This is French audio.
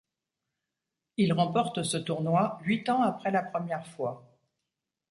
Il remporte ce tournoi huit ans après la première fois.